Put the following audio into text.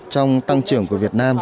trong tăng trưởng của việt nam